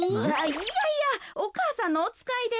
いやいやお母さんのおつかいで。